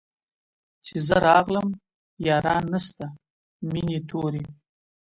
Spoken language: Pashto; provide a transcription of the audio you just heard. چي زه راغلم ياران نسته مېني توري